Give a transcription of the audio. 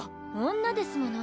女ですもの。